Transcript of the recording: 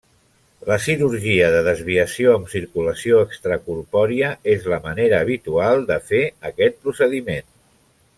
La cirurgia de desviació amb circulació extracorpòria és la manera habitual de fer aquest procediment.